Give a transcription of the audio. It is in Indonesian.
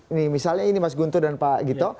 ini misalnya ini mas guntur dan pak gito